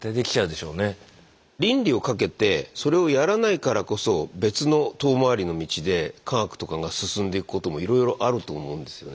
倫理をかけてそれをやらないからこそ別の遠回りの道で科学とかが進んでいくこともいろいろあると思うんですよね。